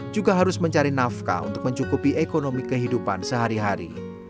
juga harus mencari nafkah untuk mencukupi ekonomi kehidupan sehari hari